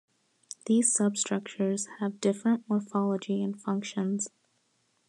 These substructures have different morphology and functions.